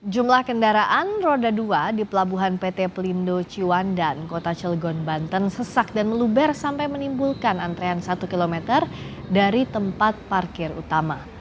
jumlah kendaraan roda dua di pelabuhan pt pelindo ciwandan kota cilegon banten sesak dan meluber sampai menimbulkan antrean satu km dari tempat parkir utama